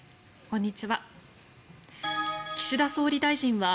こんにちは。